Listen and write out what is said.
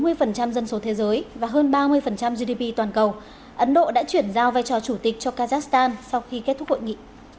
với dân số thế giới và hơn ba mươi gdp toàn cầu ấn độ đã chuyển giao vai trò chủ tịch cho kazakhstan sau khi kết thúc hội nghị